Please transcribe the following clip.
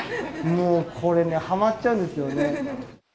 もうこれねハマっちゃうんですよね。